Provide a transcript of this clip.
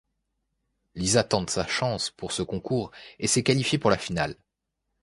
Lisa tente sa chance pour ce concours et s'est qualifiée pour la finale.